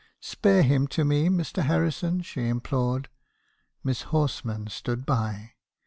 'Spare him to me, Mr. Harrison,' she implored. Miss Horsman stood by.